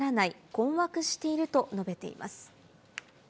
困惑していると述べています。